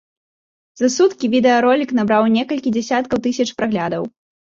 За суткі відэаролік набраў некалькі дзясяткаў тысяч праглядаў.